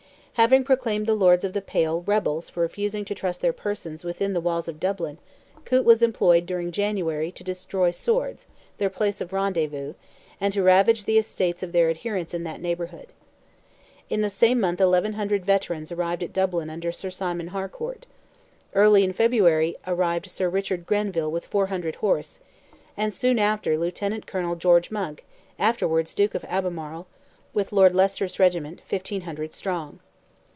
Having proclaimed the Lords of the Pale rebels for refusing to trust their persons within the walls of Dublin, Coote was employed during January to destroy Swords, their place of rendezvous, and to ravage the estates of their adherents in that neighbourhood. In the same month 1,100 veterans arrived at Dublin under Sir Simon Harcourt; early in February arrived Sir Richard Grenville with 400 horse, and soon after Lieutenant Colonel George Monk, afterwards Duke of Albemarle, with Lord Leicester's regiment, 1,500 strong.